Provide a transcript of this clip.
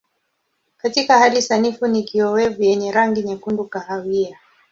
Katika hali sanifu ni kiowevu yenye rangi nyekundu kahawia.